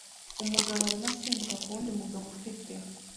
Umugabo arimo asimbuka kuwundi mugabo ufite